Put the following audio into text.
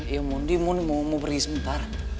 ya ya mondi mau pergi sebentar